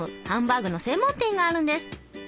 ハンバーグの専門店があるんです。